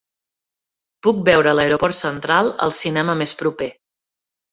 Puc veure l'aeroport central al cinema més proper